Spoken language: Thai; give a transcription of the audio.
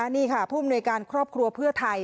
นี่ค่ะผู้อำนวยการครอบครัวเพื่อไทย